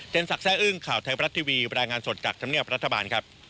ศักดิ์อึ้งข่าวไทยบรัฐทีวีบรรยายงานสดจากธรรมเนียบรัฐบาลครับ